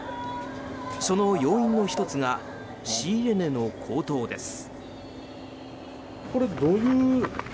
その要因の１つが仕入れ値の高騰です。